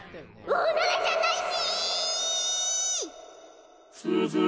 おならじゃないし！